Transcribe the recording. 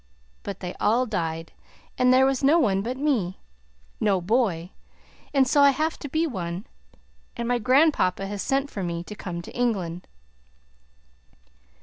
But they all died, and there is no one but me, no boy, and so I have to be one; and my grandpapa has sent for me to come to England."